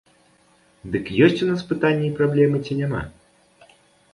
Дык ёсць у нас пытанні і праблемы, ці няма?